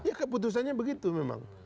ya keputusannya begitu memang